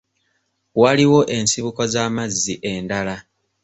Waliwo ensibuko z'amazzi endala.